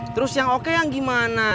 terus yang oke yang gimana